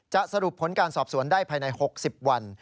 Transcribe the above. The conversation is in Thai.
สรุปผลการสอบสวนได้ภายใน๖๐วัน